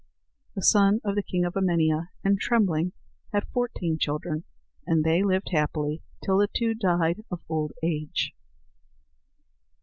The son of the king of Emania and Trembling had fourteen children, and they lived happily till the two died of old age.